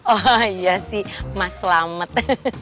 oh iya sih mas selamat